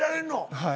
はい。